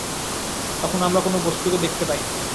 তখন আমরা কোন বস্তুকে দেখতে পাই।